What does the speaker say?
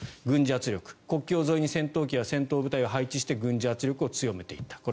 軍事圧力、国境沿いに戦闘機や戦闘部隊を配置して軍事圧力を強めていった。